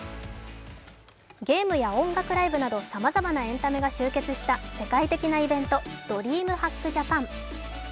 ゲームや音楽ライブなどさまざまなエンタメが集結した世界的なイベント、ＤｒｅａｍＨａｃｋＪＡＰＡＮ。